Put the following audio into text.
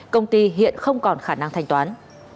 công ty hiện không còn khả năng thanh toán